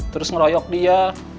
terus ngeroyok dia